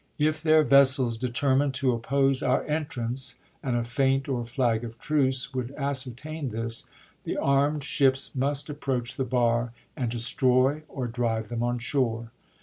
If their vessels determine to oppose our entrance (and a feint or flag of truce would ascertain this), the armed ships must approach the bar and destroy or drive them on shore.